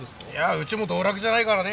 うちも道楽じゃないからね。